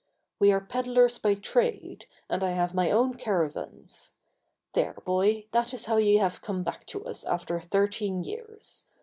We are peddlers by trade, and I have my own caravans. There, boy, that is how it is you have come back to us after thirteen years.